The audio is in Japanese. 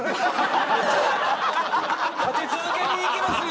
立て続けにいきますね。